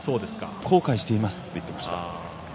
後悔していますと言っていました。